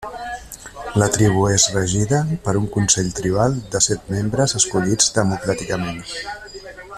La tribu és regida per un consell tribal de set membres escollits democràticament.